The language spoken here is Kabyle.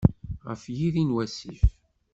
Ɣef yiri n wasif.